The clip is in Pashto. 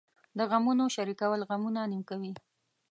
د غمونو شریکول غمونه نیم کموي .